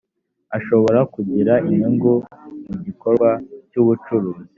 ashobora kugira inyungu mu gikorwa cy ubucuruzi